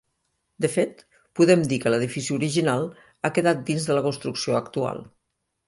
De fet podem dir que l'edifici original ha quedat dins de la construcció actual.